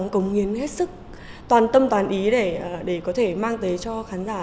cống hiến hết sức toàn tâm toàn ý để có thể mang tới cho khán giả